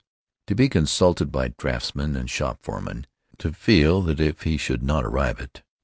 To be consulted by draftsmen and shop foremen; to feel that if he should not arrive at 8.